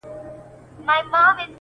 زوی د پلار په دې خبره ډېر خفه سو,